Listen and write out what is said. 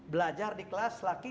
belajar di kelas laki